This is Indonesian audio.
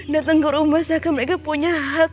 datang ke rumah seakan mereka punya hak